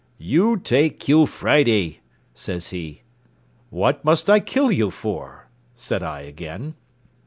"You take kill Friday," says he. "What must kill you for?" said I again.